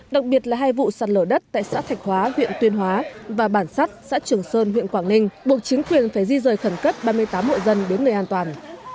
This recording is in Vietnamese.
đặc biệt là hai vụ sạt lở đất tại xã thạch hóa huyện tuyên hóa và bản sắt xã trường sơn huyện quảng ninh buộc chính quyền phải di rời khẩn cấp ba mươi tám hộ dân đến nơi an toàn